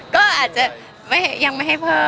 ก็อาจจะยังไม่ให้เพิ่ม